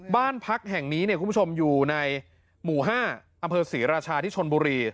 บ้านพักแห่งนี้คุณผู้ชมอยู่ในหมู่๕อำเภอศรีราชาที่ชนบุรี